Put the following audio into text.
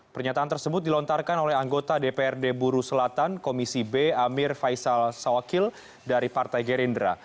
pernyataan tersebut dilontarkan oleh anggota dprd buru selatan komisi b amir faisal sawakil dari partai gerindra